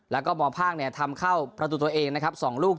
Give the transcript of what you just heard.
แล้วก็หมอภาคทำเข้าประตูตัวเองนะครับ๒ลูก